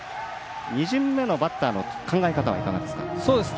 ２巡目のバッターの考え方はいかがですか。